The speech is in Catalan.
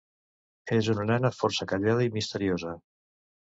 És una nena força callada i misteriosa.